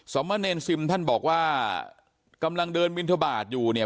สมเนรซิมท่านบอกว่ากำลังเดินบินทบาทอยู่เนี่ย